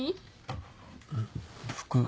服。